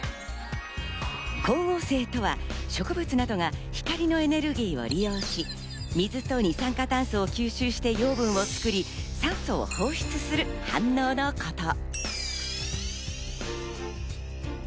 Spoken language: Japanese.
光合成とは植物などが光のエネルギーを利用し、水と二酸化炭素を吸収して養分を作り、酸素を放出する反応のこと。